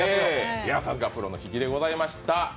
さすが、プロの引きでございました。